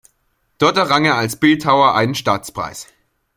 Dort errang er als Bildhauer einen Staatspreis.